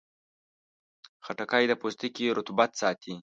خټکی د پوستکي رطوبت ساتي.